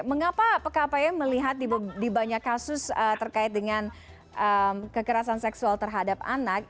mengapa pkpi melihat di banyak kasus terkait dengan kekerasan seksual terhadap anak